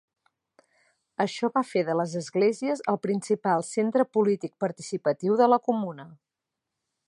Això va fer de les esglésies el principal centre polític participatiu de la Comuna.